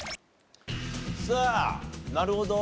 さあなるほど。